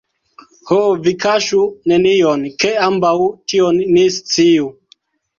Ho, vi kaŝu nenion, ke ambaŭ tion ni sciu.